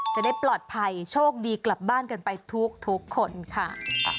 จะได้ปลอดภัยโชคดีกลับบ้านกันไปทุกคนค่ะ